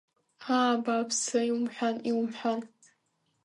Аа, абааԥсы, иумҳәан, иумҳәан!